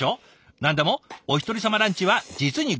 何でもおひとり様ランチは実に５年ぶり。